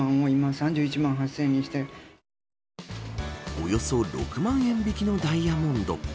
およそ６万円引きのダイヤモンド。